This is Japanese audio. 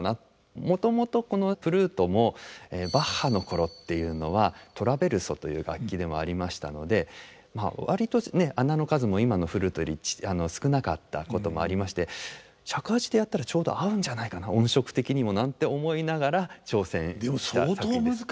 もともとこのフルートもバッハの頃っていうのはトラヴェルソという楽器でもありましたので割と孔の数も今のフルートより少なかったこともありまして尺八でやったらちょうど合うんじゃないかな音色的にもなんて思いながら挑戦した作品です。